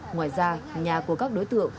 ngoài ra nhà của các đối tượng